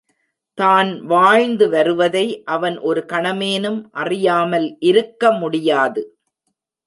தான் வாழ்ந்து வருவதை அவன் ஒரு கணமேனும் அறியாமல் இருக்க முடியாது.